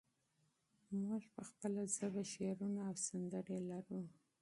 موږ په خپله ژبه شعرونه او سندرې لرو.